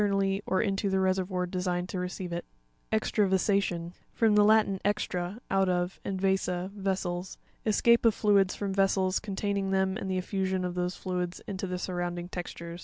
nally or into the reseryoir designed to receive it. Exrravasa'tion.—From the Latin, extra, out of, and vasa, vessels. Escape of fluids from vessels con taining them and the offusion of 106 CONCHOLOGY.—GLOSSARY. those fluids into the surrounding textures.